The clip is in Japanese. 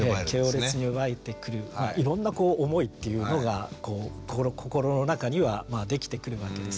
いろんなこう思いっていうのが心の中にはできてくるわけです。